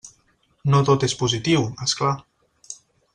No tot és positiu, és clar.